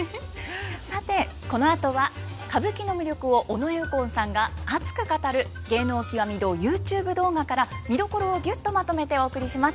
さてこのあとは歌舞伎の魅力を尾上右近さんが熱く語る「芸能きわみ堂」ＹｏｕＴｕｂｅ動画から見どころをギュッとまとめてお送りします。